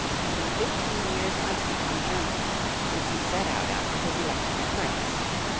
had been 15 years absent from Germany since he set out after his election at Mainz.